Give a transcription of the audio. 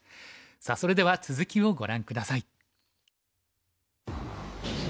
さあそれでは続きをご覧下さい。